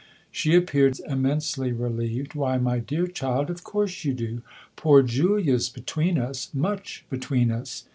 She appeared immensely relieved. " Why, my dear child, of course you do ! Poor Julia's between us much between us."